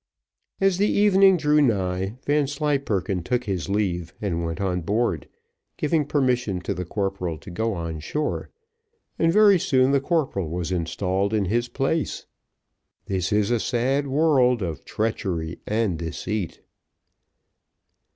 As the evening drew nigh, Vanslyperken took his leave, and went on board, giving permission to the corporal to go on shore, and very soon the corporal was installed in his place. This is a sad world of treachery and deceit.